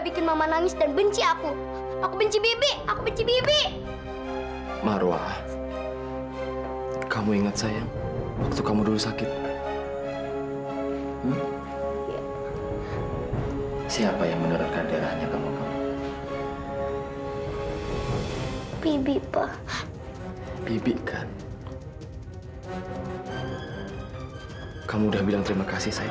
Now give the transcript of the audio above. kamu jalan kamu jalan kamu jalan